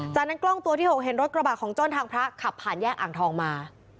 จากนั้นกล้องตัวที่๖เห็นรถกระบะของจ้อนทางพระขับผ่านแยกอ่างทองมา